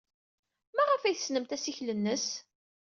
Maɣef ay tsemmet assikel-nnes?